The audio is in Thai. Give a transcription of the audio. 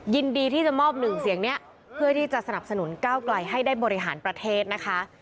ยินดีที่จะมอบหนึ่งเสียงนี้เพื่อที่จะสนับสนุนก้าวไกลให้ได้บริหารประเทศนะคะ